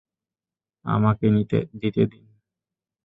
আমাকে দিতে দিন।